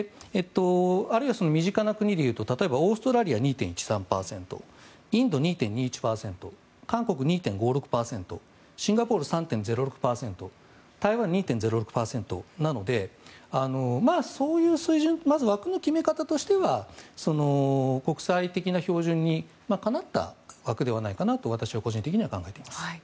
あるいは身近な国だとオーストラリア２．１３％インド、２．２１％韓国２．５６％シンガポール３．０６％台湾２．０６％なのでそういう水準まず枠の決め方としては国際的な標準にかなった枠ではないかなと私は個人的には考えています。